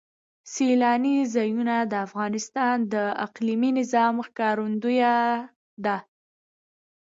سیلانی ځایونه د افغانستان د اقلیمي نظام ښکارندوی ده.